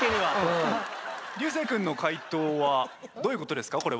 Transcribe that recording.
流星君の回答はどういうことですか？